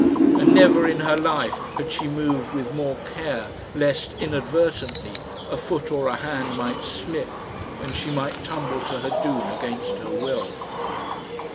And never in her life had she moved with more care, lest, inadvertently, a foot or a hand might slip, and she might tumble to her doom against her will.